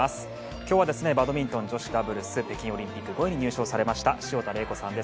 今日はバドミントン女子ダブルス北京オリンピック５位入賞されました潮田玲子さんです。